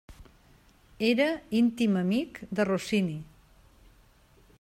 Era íntim amic de Rossini.